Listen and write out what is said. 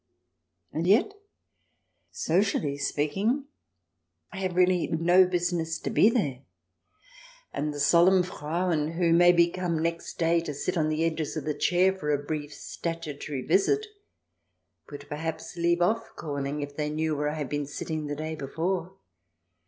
And yet, socially speaking, I have really no business to be there, and the solemn Frauen who, maybe, come next day to sit on the edges of the chair for a brief statutory visit, would perhaps leave off calling if they knew where I had been sitting the day before.